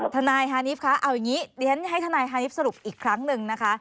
ทนายฮานิฟคะเอาอย่างนี้เดี๋ยวฉันให้ทนายฮานิฟสรุปอีกครั้งหนึ่งนะคะ